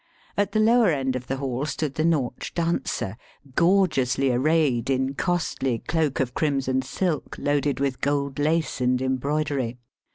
At the lower end of the hall stood the Nautch dancer, gorgeously arrayed in costly cloak of crimson silk loaded with gold lace and embroidery.